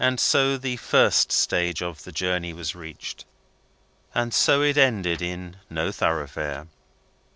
So the first stage of the journey was reached and so it ended in No Thoroughfare!